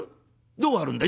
どう張るんだ？」。